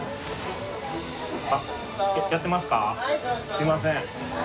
すみません。